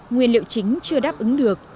nguyên liệu chính chưa đáp ứng được